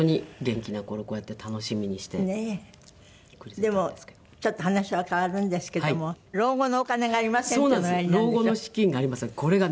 でもちょっと話は変わるんですけども「老後のお金がありません」っていうのをおやりになるんでしょ？